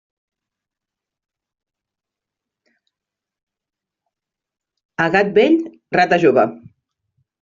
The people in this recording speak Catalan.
A gat vell, rata jove.